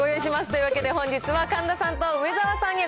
というわけで、本日は神田さんと梅沢さんに、